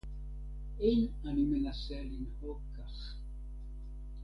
אֵין אֲנִי מְנַסָּה לִנְהוֹג כָּךְ.